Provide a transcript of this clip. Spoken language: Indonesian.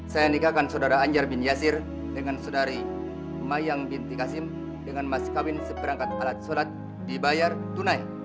saya nikahkan saudara anjar bin yasir dengan saudari mayang binti kasim dengan mas kawin seperangkat alat sholat dibayar tunai